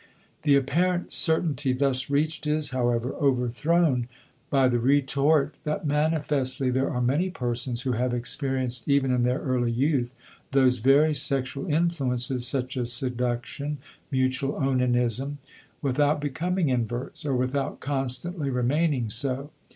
The apparent certainty thus reached is, however, overthrown by the retort that manifestly there are many persons who have experienced even in their early youth those very sexual influences, such as seduction, mutual onanism, without becoming inverts, or without constantly remaining so.